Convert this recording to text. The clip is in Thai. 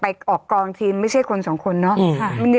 ออกกองทีมไม่ใช่คนสองคนเนาะ